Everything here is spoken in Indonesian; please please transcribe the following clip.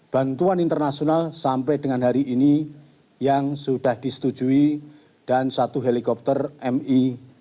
bantuan internasional sampai dengan hari ini yang sudah disetujui dan satu helikopter mi dua ratus